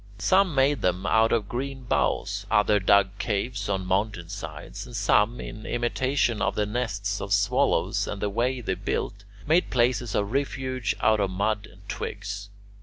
Some made them of green boughs, others dug caves on mountain sides, and some, in imitation of the nests of swallows and the way they built, made places of refuge out of mud and twigs.